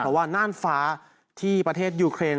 เพราะว่าน่านฟ้าที่ประเทศยูเครน